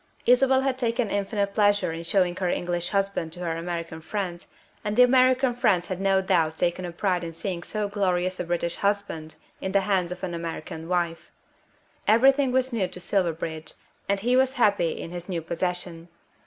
Isabel had taken infinite pleasure in showing her English husband to her American friends, and the American friends had no doubt taken a pride in seeing so glorious a British husband in the hands of an American wife. Everything was new to Silverbridge, and he was happy in his new possession.